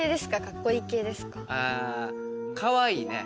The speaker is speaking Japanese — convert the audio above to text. あかわいいね。